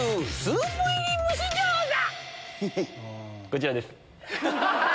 こちらです。